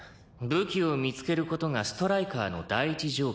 「武器を見つける事がストライカーの第１条件だ」